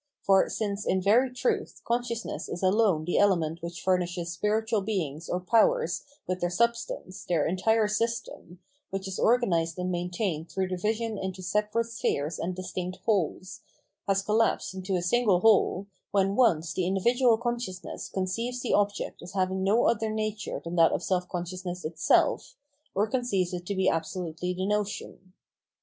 For since in very truth consciousness is alone the element which furnishes spiritual beings or powers with their sub stance, their entire system, which is organised and maintained through division into separate spheres and distinct wholes, has collapsed into a single whole, when once the individual consciousness conceives the object as having no other nature than that of self conscious Absolute Freedom and, Terror 595 ness itself, or conceives it to be absolutely the notion.